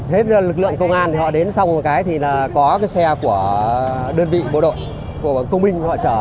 hết lực lượng công an thì họ đến xong một cái thì là có cái xe của đơn vị bộ đội của công minh họ chở